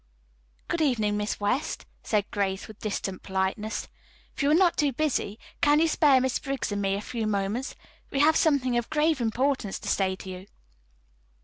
"Good evening, Miss West," said Grace with distant politeness. "If you are not too busy, can you spare Miss Briggs and me a few moments? We have something of grave importance to say to you."